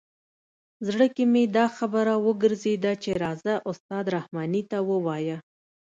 زړه کې مې دا خبره وګرځېده چې راځه استاد رحماني ته ووایه.